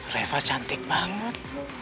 reva cantik banget